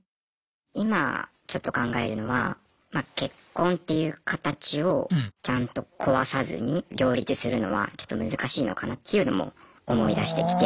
今ちょっと考えるのは結婚っていう形をちゃんと壊さずに両立するのはちょっと難しいのかなっていうのも思いだしてきて。